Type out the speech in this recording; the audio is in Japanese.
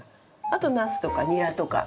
あとナスとかニラとか。